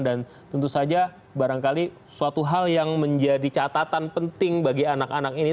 dan tentu saja barangkali suatu hal yang menjadi catatan penting bagi anak anak ini